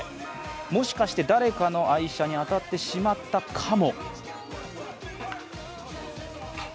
もしかして誰かの愛車に当たってしまったかも。